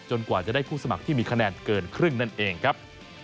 กว่าจะได้ผู้สมัครที่มีคะแนนเกินครึ่งนั่นเองครับ